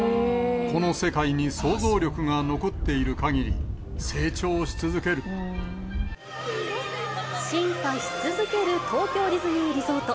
この世界に想像力が残っているか進化し続ける東京ディズニーリゾート。